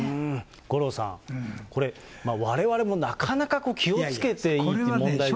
五郎さん、これ、われわれもなかなか気をつけていればいいという問題じゃないです